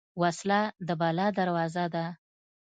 وسله د بلا دروازه ده